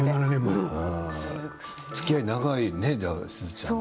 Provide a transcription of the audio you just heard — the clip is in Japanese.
つきあい長いね、しずちゃんと。